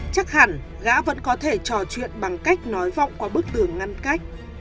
chắc hẳn gã vẫn có thể trò chuyện bằng cách nói vọng qua bức tường ngăn cách